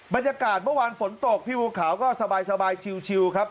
บรรยากาศเมื่อวานฝนตกพี่บัวขาวก็สบายชิวครับ